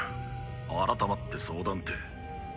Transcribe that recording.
改まって相談って。